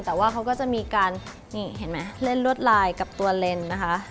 แต่ว่าเขาก็จะมีการนี่เห็นไหมเล่นลวดลายกับตัวเลนส์นะคะ